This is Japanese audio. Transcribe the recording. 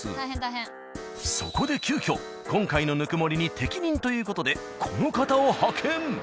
そこで急遽今回のぬくもりに適任という事でこの方を派遣。